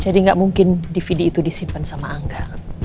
jadi gak mungkin dvd itu disimpen sama angga